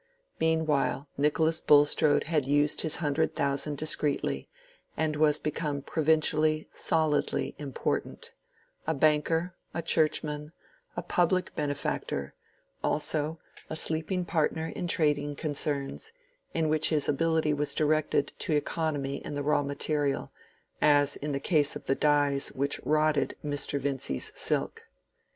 Meanwhile Nicholas Bulstrode had used his hundred thousand discreetly, and was become provincially, solidly important—a banker, a Churchman, a public benefactor; also a sleeping partner in trading concerns, in which his ability was directed to economy in the raw material, as in the case of the dyes which rotted Mr. Vincy's silk.